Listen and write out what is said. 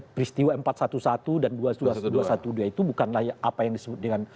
peristiwa empat ratus sebelas dan dua ratus dua belas itu bukanlah apa yang disebut dengan